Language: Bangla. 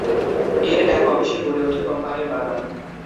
এর এক অংশে গড়ে ওঠে 'কোম্পানির বাগান।'